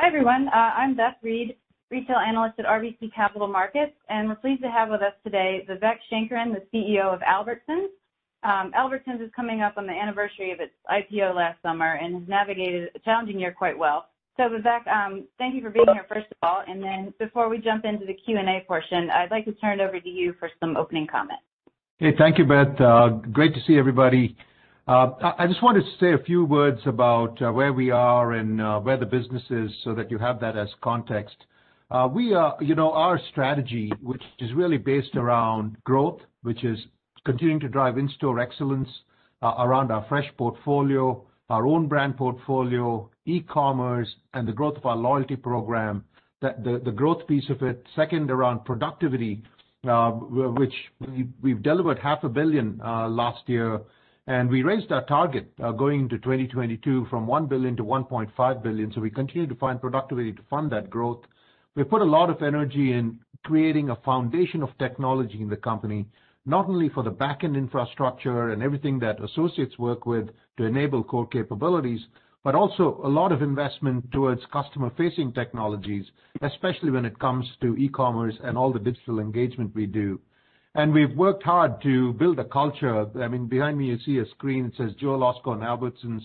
Hi, everyone. I'm Beth Reed, retail analyst at RBC Capital Markets. We're pleased to have with us today, Vivek Sankaran, the CEO of Albertsons. Albertsons is coming up on the anniversary of its IPO last summer and has navigated a challenging year quite well. Vivek, thank you for being here, first of all. Before we jump into the Q&A portion, I'd like to turn it over to you for some opening comments. Hey, thank you, Beth. Great to see everybody. I just wanted to say a few words about where we are and where the business is so that you have that as context. Our strategy, which is really based around growth, which is continuing to drive in-store excellence around our fresh portfolio, our own brand portfolio, e-commerce, and the growth of our loyalty program. The growth piece of it, second, around productivity, which we've delivered half a billion last year, and we raised our target going to 2022 from $1 billion to $1.5 billion. We continue to find productivity to fund that growth. We put a lot of energy in creating a foundation of technology in the company, not only for the back-end infrastructure and everything that associates work with to enable core capabilities, but also a lot of investment towards customer-facing technologies, especially when it comes to e-commerce and all the digital engagement we do. We've worked hard to build a culture. I mean, behind me, you see a screen that says, "Jewel-Osco an Albertsons,"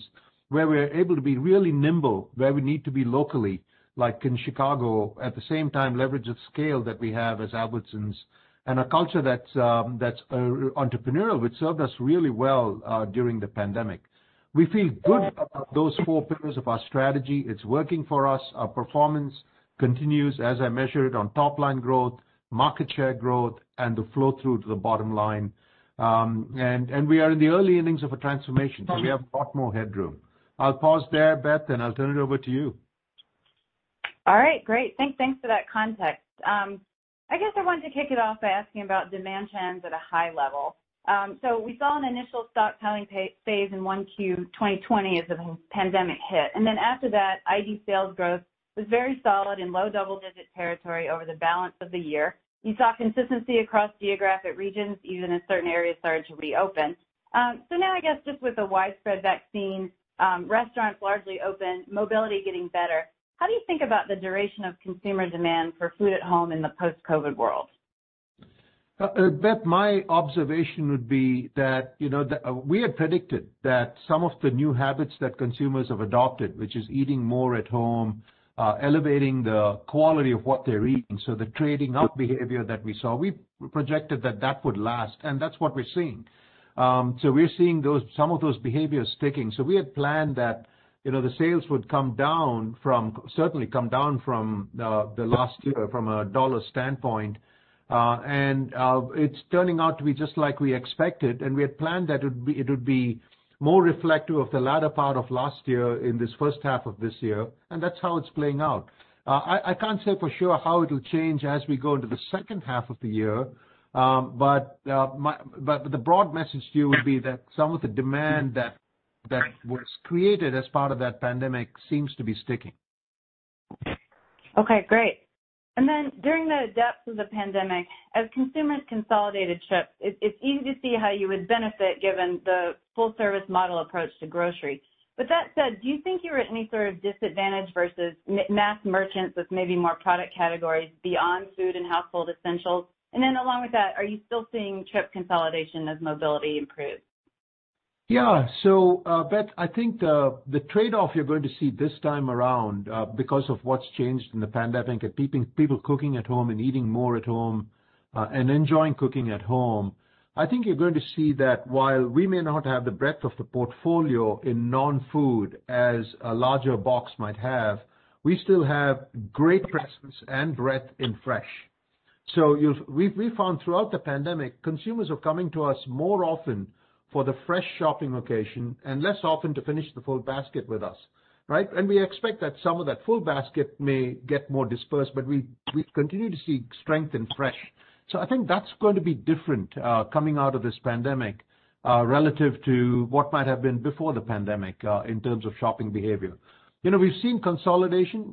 where we're able to be really nimble, where we need to be locally, like in Chicago. At the same time, leverage the scale that we have as Albertsons and a culture that's entrepreneurial, which served us really well during the pandemic. We feel good about those four pillars of our strategy. It's working for us. Our performance continues, as I measured it, on top-line growth, market share growth, and the flow-through to the bottom line. We are in the early innings of a transformation, so we have a lot more headroom. I'll pause there, Beth, and I'll turn it over to you. All right. Great. Thanks for that context. I guess I want to kick it off by asking about demand trends at a high level. We saw an initial stop-counting phase in 1Q 2020 as the whole pandemic hit. After that, identical sales growth was very solid in low double-digit territory over the balance of the year. You saw consistency across geographic regions, even as certain areas started to reopen. Now I guess with the widespread vaccine, restaurants largely open, mobility getting better, how do you think about the duration of consumer demand for food at home in the post-COVID world? Beth, my observation would be that we had predicted that some of the new habits that consumers have adopted, which is eating more at home, elevating the quality of what they're eating, so the trading up behavior that we saw, we projected that would last, and that's what we're seeing. We're seeing some of those behaviors sticking. We had planned that the sales would certainly come down from the last year from a dollar standpoint. It's turning out to be just like we expected. We had planned that it would be more reflective of the latter part of last year in this first half of this year, and that's how it's playing out. I can't say for sure how it'll change as we go into the second half of the year. The broad message here would be that some of the demand that was created as part of that pandemic seems to be sticking. Okay, great. During the depths of the pandemic, as consumers consolidated trips, it's easy to see how you would benefit given the full-service model approach to grocery. With that said, do you think you're at any sort of disadvantage versus mass merchants with maybe more product categories beyond food and household essentials? Along with that, are you still seeing trip consolidation as mobility improves? Beth, I think the trade-off you're going to see this time around, because of what's changed in the pandemic with people cooking at home and eating more at home and enjoying cooking at home, I think you're going to see that while we may not have the breadth of the portfolio in non-food as a larger box might have, we still have great presence and breadth in fresh. We've found throughout the pandemic, consumers are coming to us more often for the fresh shopping location and less often to finish the full basket with us. Right? We expect that some of that full basket may get more dispersed, but we continue to see strength in fresh. I think that's going to be different coming out of this pandemic, relative to what might have been before the pandemic in terms of shopping behavior. We've seen consolidation.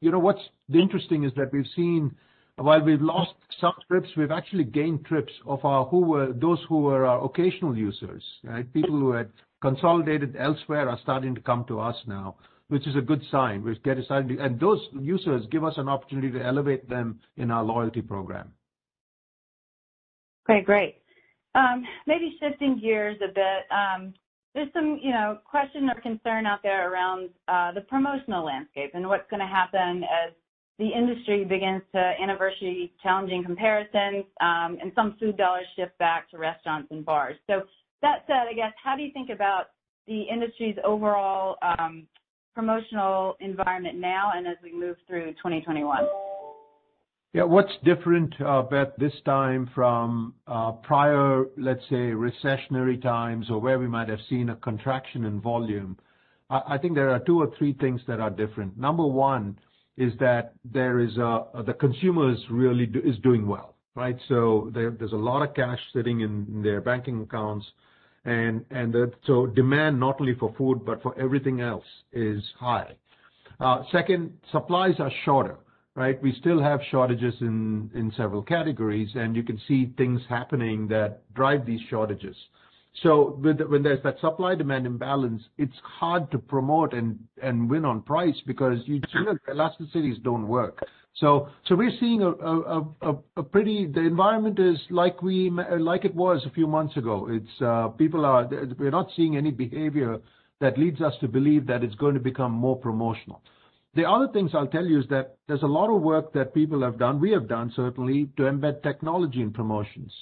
What's interesting is that we've seen while we've lost some trips, we've actually gained trips of those who were our occasional users, right? People who had consolidated elsewhere are starting to come to us now, which is a good sign. Those users give us an opportunity to elevate them in our loyalty program. Okay, great. Maybe shifting gears a bit. There's some question or concern out there around the promotional landscape and what's going to happen as the industry begins to anniversary challenging comparisons and some food dollars shift back to restaurants and bars. With that said, I guess, how do you think about the industry's overall promotional environment now and as we move through 2021? What's different, Beth, this time from prior, let's say, recessionary times or where we might have seen a contraction in volume, I think there are two or three things that are different. Number one is that the consumer is doing well. Right. There's a lot of cash sitting in their banking accounts, and so demand not only for food but for everything else is high. Second, supplies are shorter. Right. We still have shortages in several categories, and you can see things happening that drive these shortages. When there's that supply-demand imbalance, it's hard to promote and win on price because elasticities don't work. We're seeing a pretty. The environment is like it was a few months ago. We're not seeing any behavior that leads us to believe that it's going to become more promotional. The other things I'll tell you is that there's a lot of work that people have done, we have done, certainly, to embed technology in promotions.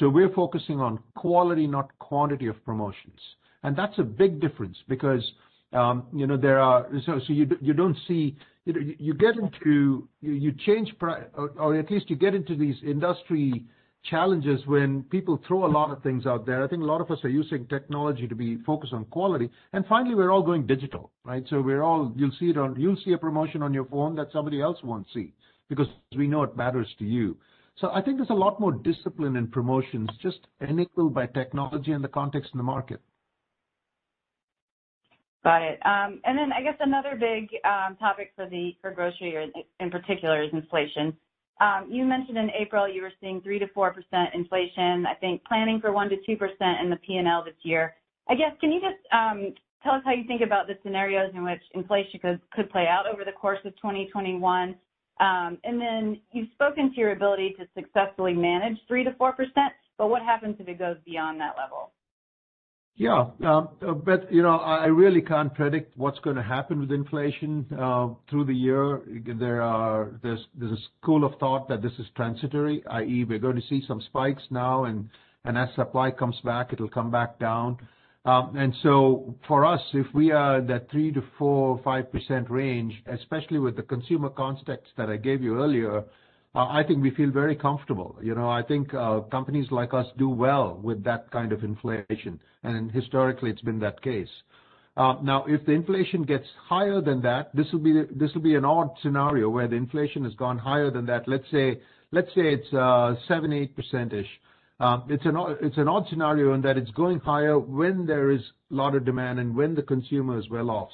We're focusing on quality, not quantity of promotions. That's a big difference because you get into these industry challenges when people throw a lot of things out there. I think a lot of us are using technology to be focused on quality. Finally, we're all going digital, right? You'll see a promotion on your phone that somebody else won't see, because we know it matters to you. I think there's a lot more discipline in promotions, just enabled by technology in the context of the market. Got it. Then, I guess another big topic for grocery, or in particular, is inflation. You mentioned in April you were seeing 3%-4% inflation, I think planning for 1%-2% in the P&L this year. I guess, can you just tell us how you think about the scenarios in which inflation could play out over the course of 2021? Then you've spoken to your ability to successfully manage 3%-4%, but what happens if it goes beyond that level? Yeah. Beth, I really can't predict what's going to happen with inflation through the year. There's a school of thought that this is transitory, i.e., we're going to see some spikes now and as supply comes back, it'll come back down. For us, if we are in that 3% to 4%, 5% range, especially with the consumer context that I gave you earlier, I think we feel very comfortable. I think companies like us do well with that kind of inflation, and historically, it's been that case. If the inflation gets higher than that, this will be an odd scenario where the inflation has gone higher than that. Let's say it's 7, 8%-ish. It's an odd scenario in that it's going higher when there is a lot of demand and when the consumer is well off.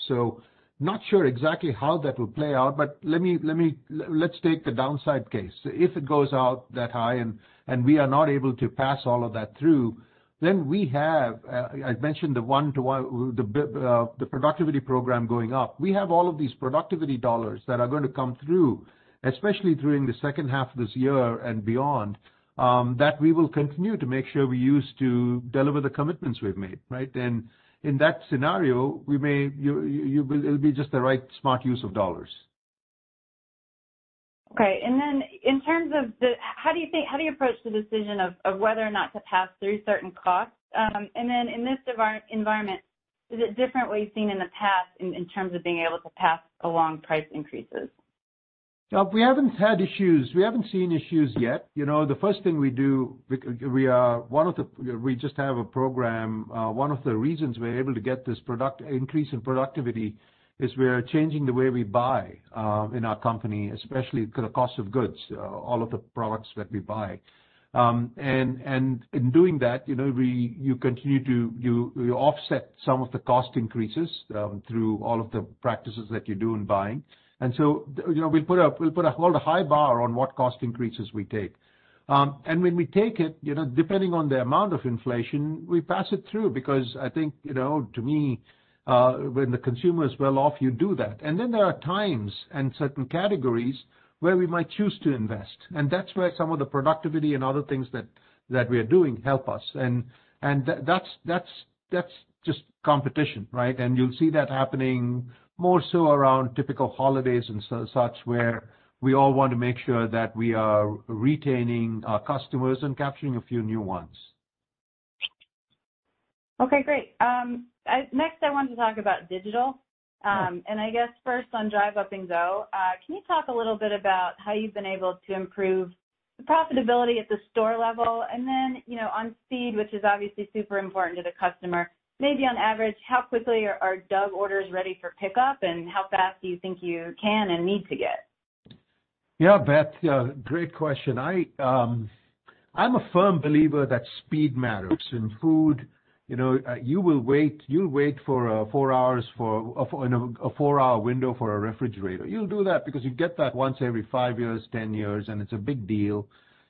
Not sure exactly how that will play out, but let's take the downside case. If it goes out that high and we are not able to pass all of that through, we have, I mentioned the productivity program going up. We have all of these productivity dollars that are going to come through, especially during the second half of this year and beyond, that we will continue to make sure we use to deliver the commitments we've made, right? In that scenario, it'll be just the right smart use of dollars. Okay. How do you approach the decision of whether or not to pass through certain costs? In this environment, is it different what you've seen in the past in terms of being able to pass along price increases? We haven't had issues. We haven't seen issues yet. The first thing we do, we just have a program. One of the reasons we're able to get this increase in productivity is we're changing the way we buy in our company, especially the cost of goods, all of the products that we buy. In doing that, you offset some of the cost increases through all of the practices that you do in buying. We'll put a high bar on what cost increases we take. When we take it, depending on the amount of inflation, we pass it through because I think, to me, when the consumer is well off, you do that. There are times and certain categories where we might choose to invest, and that's where some of the productivity and other things that we are doing help us. That's just competition, right? You'll see that happening more so around typical holidays and such, where we all want to make sure that we are retaining our customers and capturing a few new ones. Okay, great. Next, I wanted to talk about digital. Sure. I guess first on Drive Up & Go, can you talk a little bit about how you've been able to improve the profitability at the store level and then, on speed, which is obviously super important to the customer, maybe on average, how quickly are DUG orders ready for pickup? How fast do you think you can and need to get? Yeah, Beth. Great question. I'm a firm believer that speed matters in food. You'll wait for a four-hour window for a refrigerator. You'll do that because you get that once every five years, 10 years, and it's a big deal.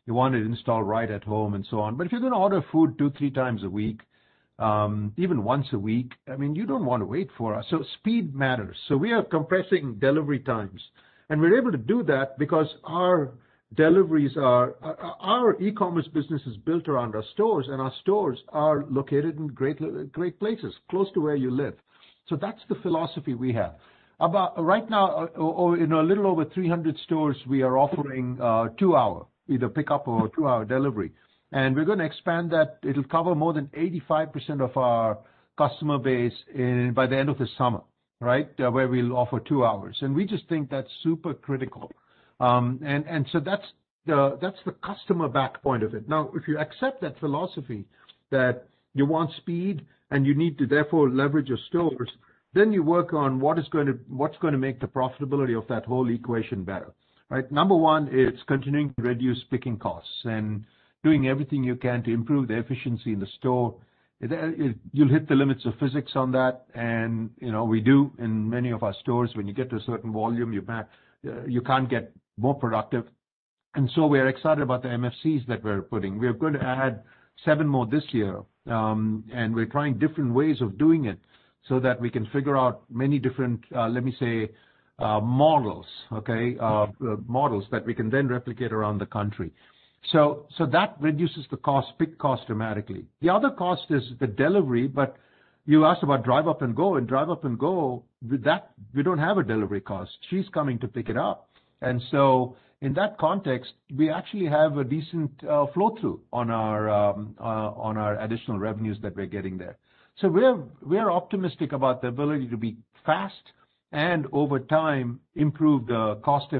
You want it installed right at home, and so on. But if you're going to order food two, three times a week, even once a week, you don't want to wait for us. Speed matters. We are compressing delivery times, and we're able to do that because our deliveries are, our e-commerce business is built around our stores, and our stores are located in great places close to where you live. That's the philosophy we have. About right now, in a little over 300 stores, we are offering two-hour, either pickup or two-hour delivery, and we're going to expand that. It'll cover more than 85% of our customer base by the end of the summer. Right? Where we'll offer two hours, and we just think that's super critical. That's the customer back point of it. Now, if you accept that philosophy that you want speed and you need to therefore leverage your stores, then you work on what's going to make the profitability of that whole equation better. Right? Number one is continuing to reduce picking costs and doing everything you can to improve the efficiency in the store. You'll hit the limits of physics on that, and we do in many of our stores. When you get to a certain volume, you can't get more productive. We're excited about the MFCs that we're putting. We're going to add seven more this year, and we're trying different ways of doing it so that we can figure out many different, let me say, models, okay, models that we can then replicate around the country. That reduces the pick cost dramatically. The other cost is the delivery, but you asked about Drive Up & Go, and Drive Up & Go, with that, we don't have a delivery cost. She's coming to pick it up. In that context, we actually have a decent flow-through on our additional revenues that we're getting there. We're optimistic about the ability to be fast, and over time, improve the cost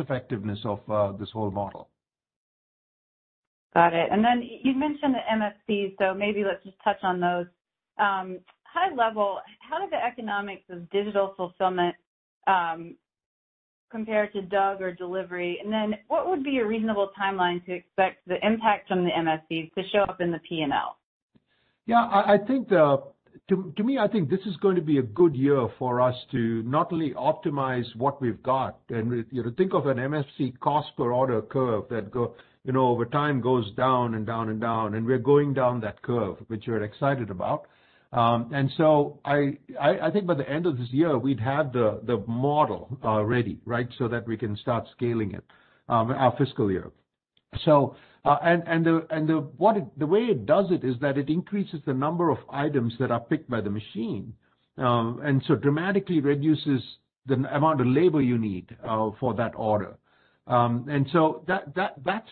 effectiveness of this whole model. Got it. You mentioned the MFC, maybe let's just touch on those. High level, how do the economics of digital fulfillment compare to DUG or delivery? What would be a reasonable timeline to expect the impact from the MFC to show up in the P&L? Yeah, to me, I think this is going to be a good year for us to not only optimize what we've got, and think of an MFC cost per order curve that over time goes down and down and down, and we're going down that curve, which we're excited about. I think by the end of this year, we'd have the model ready, right, so that we can start scaling it, our fiscal year. The way it does it is that it increases the number of items that are picked by the machine. Dramatically reduces the amount of labor you need for that order. That's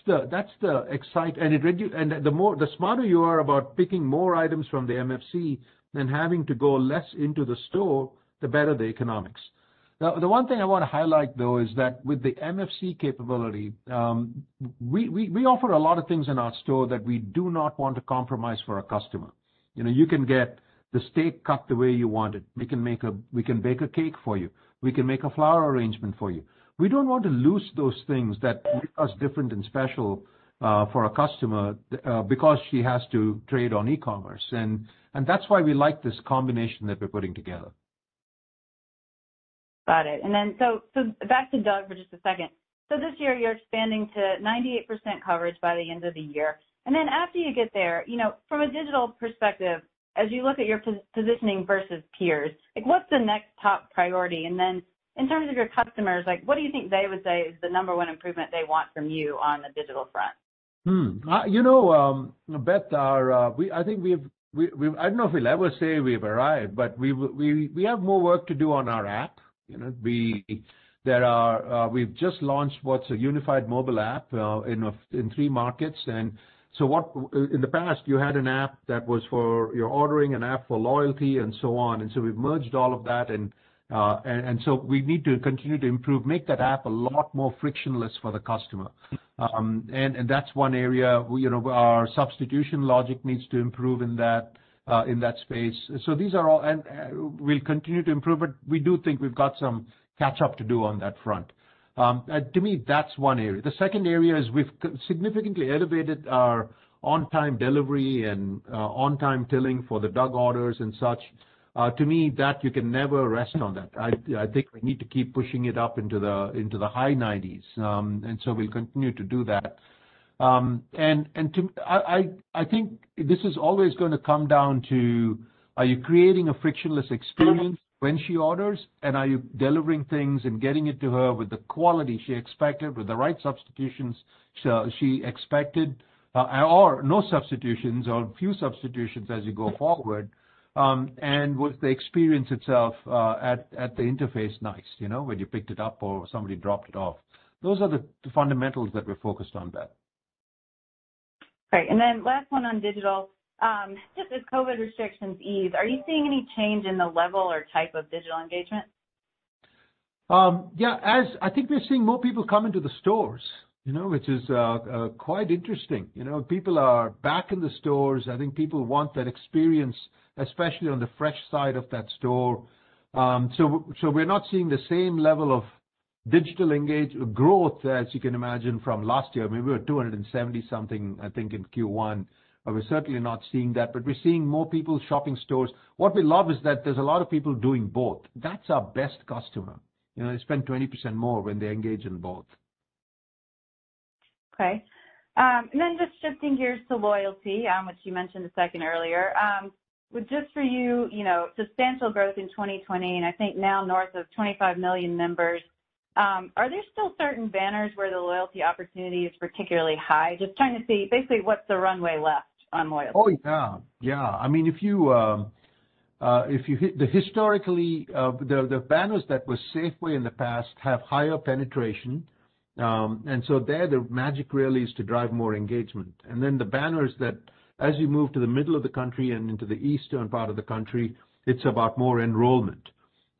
the exciting. The smarter you are about picking more items from the MFC than having to go less into the store, the better the economics. The one thing I want to highlight, though, is that with the MFC capability, we offer a lot of things in our store that we do not want to compromise for our customer. You can get the steak cut the way you want it. We can bake a cake for you. We can make a flower arrangement for you. We don't want to lose those things that make us different and special for a customer because she has to trade on e-commerce, and that's why we like this combination that we're putting together. Got it. Back to DUG for just a second. This year you're expanding to 98% coverage by the end of the year. After you get there, from a digital perspective, as you look at your positioning versus peers, what's the next top priority? In terms of your customers, what do you think they would say is the number one improvement they want from you on the digital front? Beth, I don't know if we'll ever say we've arrived, but we have more work to do on our app. We've just launched what's a unified mobile app in three markets. In the past, you had an app that was for your ordering, an app for loyalty, and so on. We've merged all of that, and so we need to continue to improve, make that app a lot more frictionless for the customer. That's one area, our substitution logic needs to improve in that space. These are all, and we'll continue to improve it. We do think we've got some catch-up to do on that front. To me, that's one area. The second area is we've significantly elevated our on-time delivery and on-time filling for the DUG orders and such. To me, that you can never rest on that. I think we need to keep pushing it up into the high nineties. We'll continue to do that. I think this is always going to come down to, are you creating a frictionless experience when she orders, and are you delivering things and getting it to her with the quality she expected, with the right substitutions she expected, or no substitutions or a few substitutions as you go forward. Was the experience itself at the interface nice, when you picked it up or somebody dropped it off? Those are the fundamentals that we're focused on there. Great. Last one on digital. As the COVID restrictions ease, are you seeing any change in the level or type of digital engagement? Yeah, I think we're seeing more people coming to the stores, which is quite interesting. People are back in the stores. I think people want that experience, especially on the fresh side of that store. We're not seeing the same level of digital engagement growth as you can imagine from last year. We were 270 something, I think, in Q1. We're certainly not seeing that, but we're seeing more people shopping stores. What we love is that there's a lot of people doing both. That's our best customer. They spend 20% more when they engage in both. Okay. Just shifting gears to loyalty, which you mentioned a second earlier. Just for you, substantial growth in 2020, and I think now north of 25 million members. Are there still certain banners where the loyalty opportunity is particularly high? Just trying to see basically what's the runway left on loyalty? Oh, yeah. Historically, the banners that were Safeway in the past have higher penetration. There, the magic really is to drive more engagement. The banners that as you move to the middle of the country and into the eastern part of the country, it's about more enrollment.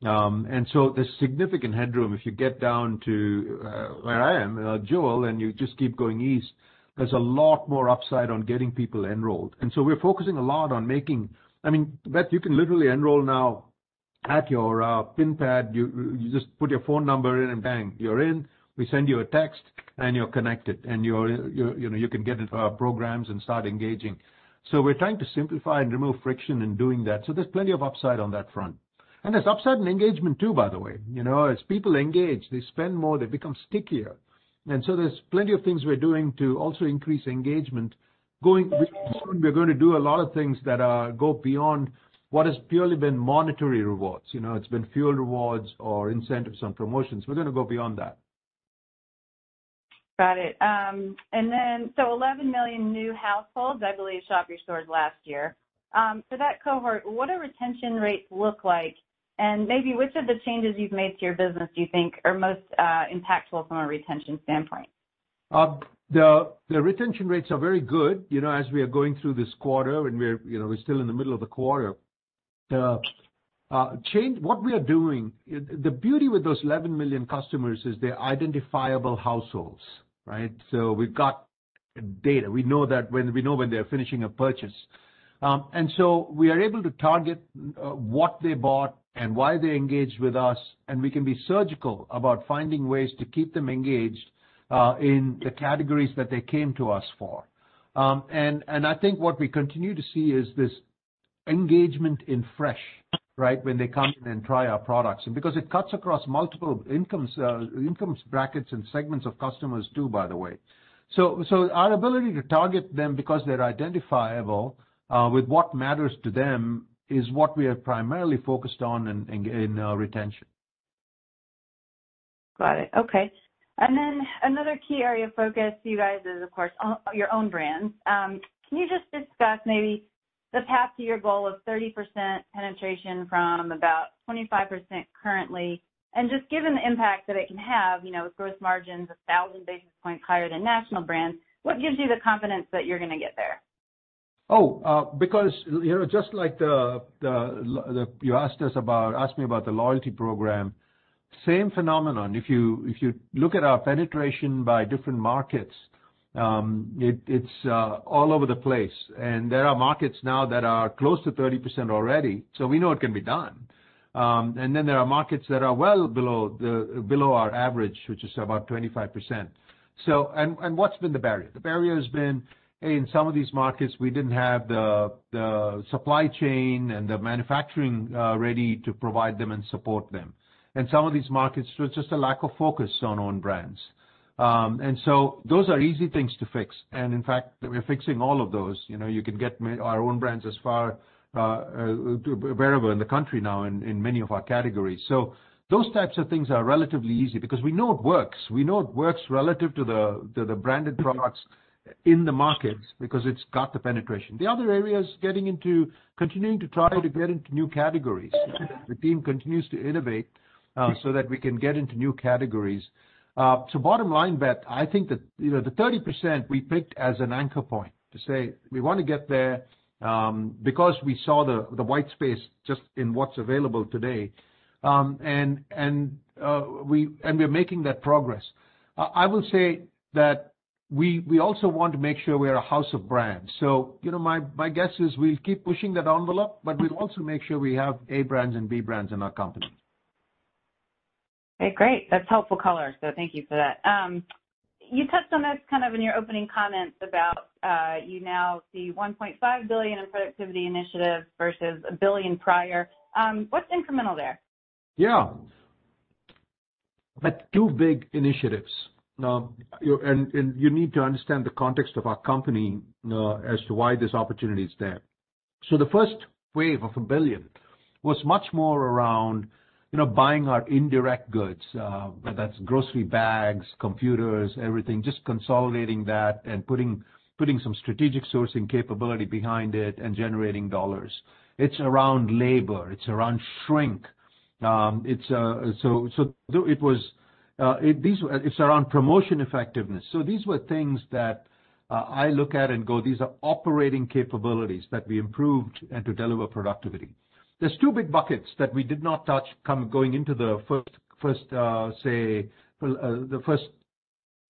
There's significant headroom if you get down to where I am in Jewel-Osco, and you just keep going east, there's a lot more upside on getting people enrolled. We're focusing a lot on making I mean, Beth, you can literally enroll now at your PIN pad. You just put your phone number in, and bang, you're in. We send you a text, and you're connected, and you can get into our programs and start engaging. We're trying to simplify and remove friction in doing that. There's plenty of upside on that front. And there's upside in engagement too, by the way. As people engage, they spend more, they become stickier. There's plenty of things we're doing to also increase engagement. Going soon, we're going to do a lot of things that go beyond what has purely been monetary rewards. It's been fuel rewards or incentives and promotions. We're going to go beyond that. Got it. 11 million new households, I believe, shopped your stores last year. For that cohort, what do retention rates look like? Maybe which of the changes you've made to your business do you think are most impactful from a retention standpoint? The retention rates are very good, as we are going through this quarter, and we're still in the middle of the quarter. What we are doing, the beauty with those 11 million customers is they're identifiable households, right? We've got data. We know when they're finishing a purchase. We are able to target what they bought and why they engaged with us, and we can be surgical about finding ways to keep them engaged in the categories that they came to us for. I think what we continue to see is this engagement in fresh, right, when they come in and try our products. Because it cuts across multiple income brackets and segments of customers, too, by the way. Our ability to target them because they're identifiable with what matters to them is what we are primarily focused on in our retention. Got it. Okay. Another key area of focus for you guys is, of course, your own brands. Can you just discuss maybe the path to your goal of 30% penetration from about 25% currently, and just given the impact that it can have, with gross margins 1,000 basis points higher than national brands, what gives you the confidence that you're going to get there? Because just like you asked me about the loyalty program, same phenomenon. If you look at our penetration by different markets, it's all over the place. There are markets now that are close to 30% already, we know it can be done. There are markets that are well below our average, which is about 25%. What's been the barrier? The barrier has been, in some of these markets, we didn't have the supply chain and the manufacturing ready to provide them and support them. Some of these markets, it was just a lack of focus on own brands. Those are easy things to fix. In fact, we're fixing all of those. You can get our own brands as far, wherever in the country now in many of our categories. Those types of things are relatively easy because we know it works. We know it works relative to the branded products in the markets because it's got the penetration. The other area is continuing to try to get into new categories. The team continues to innovate so that we can get into new categories. Bottom line, Beth, I think that the 30% we picked as an anchor point to say we want to get there, because we saw the white space just in what's available today. We're making that progress. I will say that we also want to make sure we're a house of brands. My guess is we'll keep pushing that envelope, but we'll also make sure we have A brands and B brands in our company. Okay, great. That's helpful color. Thank you for that. You touched on this kind of in your opening comments about, you now see $1.5 billion in productivity initiatives versus $1 billion prior. What's incremental there? Yeah. That two big initiatives. You need to understand the context of our company as to why this opportunity is there. The first wave of $1 billion was much more around buying our indirect goods, whether that's grocery bags, computers, everything, just consolidating that and putting some strategic sourcing capability behind it and generating dollars. It's around labor, it's around shrink. It's around promotion effectiveness. These were things that I look at and go, these are operating capabilities that we improved and to deliver productivity. There's two big buckets that we did not touch going into the first, say,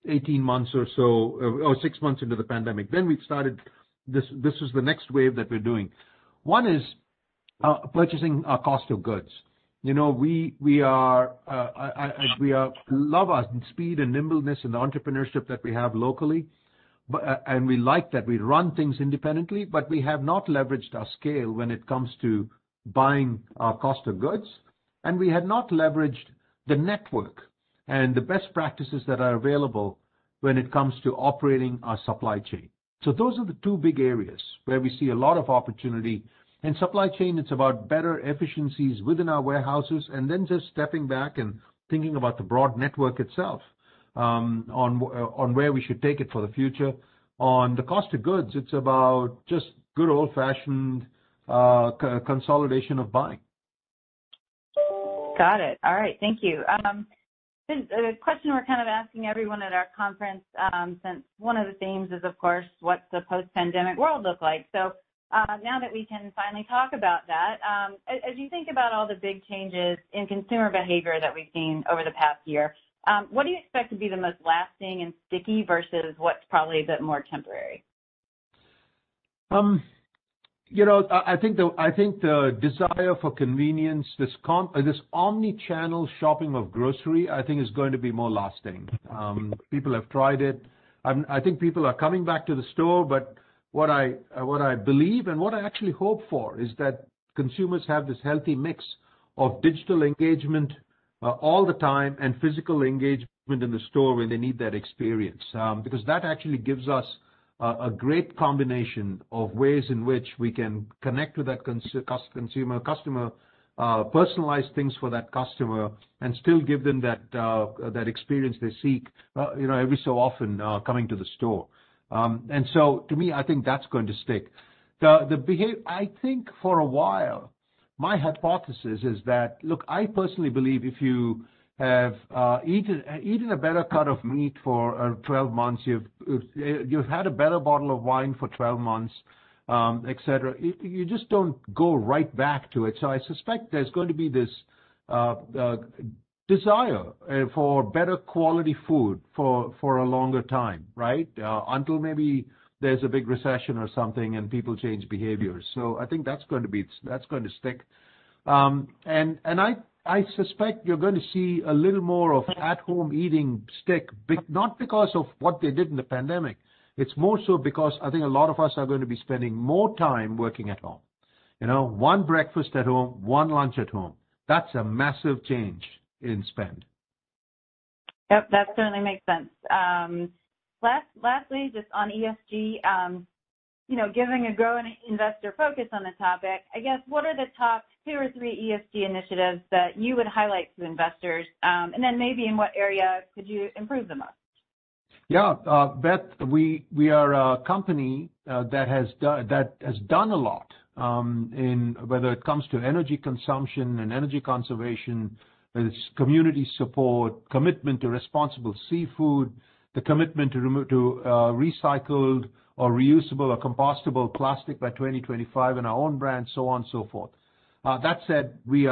18 months or so, or six months into the pandemic. We've started, this is the next wave that we're doing. One is purchasing our cost of goods. We love our speed and nimbleness and the entrepreneurship that we have locally. We like that we run things independently, but we have not leveraged our scale when it comes to buying our cost of goods. We had not leveraged the network and the best practices that are available when it comes to operating our supply chain. Those are the two big areas where we see a lot of opportunity. In supply chain, it's about better efficiencies within our warehouses and then just stepping back and thinking about the broad network itself, on where we should take it for the future. On the cost of goods, it's about just good old-fashioned consolidation of buying. Got it. All right, thank you. A question we're kind of asking everyone at our Conference, since one of the themes is, of course, what's the post-pandemic world look like? Now that we can finally talk about that, as you think about all the big changes in consumer behavior that we've seen over the past year, what do you expect to be the most lasting and sticky versus what's probably a bit more temporary? I think the desire for convenience, this omni-channel shopping of grocery, I think is going to be more lasting. People have tried it. I think people are coming back to the store, but what I believe and what I actually hope for is that consumers have this healthy mix of digital engagement all the time and physical engagement in the store when they need that experience. Because that actually gives us a great combination of ways in which we can connect with that consumer, customer, personalize things for that customer, and still give them that experience they seek every so often coming to the store. To me, I think that's going to stick. I think for a while, my hypothesis is that, look, I personally believe if you have eaten a better cut of meat for 12 months, you've had a better bottle of wine for 12 months, et cetera, you just don't go right back to it. I suspect there's going to be this desire for better quality food for a longer time, right? Until maybe there's a big recession or something and people change behavior. I think that's going to stick. I suspect you're going to see a little more of at-home eating stick, but not because of what they did in the pandemic. It's more so because I think a lot of us are going to be spending more time working at home. One breakfast at home, one lunch at home. That's a massive change in spend. Yep, that certainly makes sense. Lastly, just on ESG, given a growing investor focus on the topic, I guess what are the top two or three ESG initiatives that you would highlight to investors? Then maybe in what area could you improve the most? Yeah. Beth, we are a company that has done a lot, whether it comes to energy consumption and energy conservation, whether it's community support, commitment to responsible seafood, the commitment to recycled or reusable or compostable plastic by 2025 in our own brand, so on and so forth. That said, we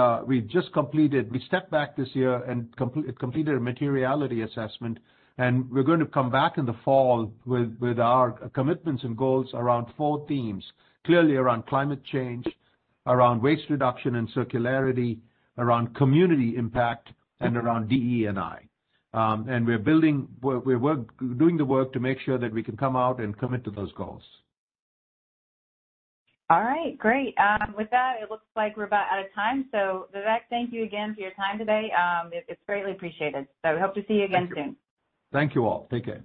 stepped back this year and completed a materiality assessment. We're going to come back in the fall with our commitments and goals around four themes. Clearly, around climate change, around waste reduction and circularity, around community impact, and around DE&I. We're doing the work to make sure that we can come out and commit to those goals. All right, great. With that, it looks like we're about out of time. Vivek, thank you again for your time today. It's greatly appreciated. We hope to see you again soon. Thank you all. Take care.